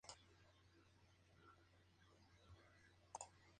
Recetas de Córdoba y regiones de la costa Caribe.